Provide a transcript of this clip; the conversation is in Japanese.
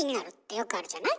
よくあるじゃない？